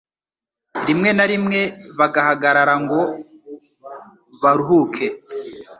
rimwe na rimwe bagahagarara ngo baruhuke.